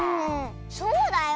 そうだよ。